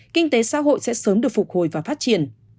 kinh tế xã hội sẽ sớm được phục hồi và phát triển